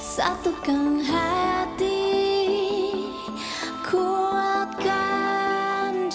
semangat merdeka belajar